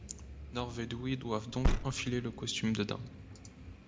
Norv et Dewey doivent donc enfiler le costume de dinde.